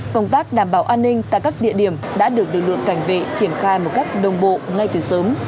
công tác đảm bảo an ninh tại các địa điểm đã được lực lượng cảnh vệ triển khai một cách đồng bộ ngay từ sớm